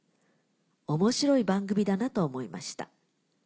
面白い番組だなと思いました」。